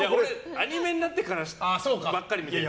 アニメになってからばっかり見てるから。